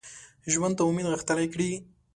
ژوند ته امید غښتلی کړي